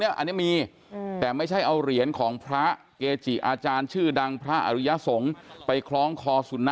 อันนี้มันไม่เหมาะสม